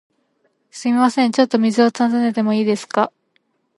すみません、ちょっと道を尋ねてもいいですか？